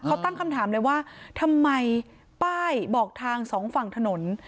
เขาตั้งคำถามเลยว่าทำไมป้ายบอกทางสองฝั่งถนน